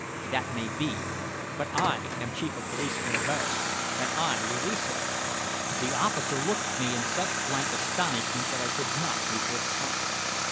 "That may be. But I am Chief of Police in Abo, and I release him." The officer looked at me in such blank astonishment that I could not resist smiling.